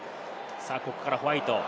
ここからホワイト。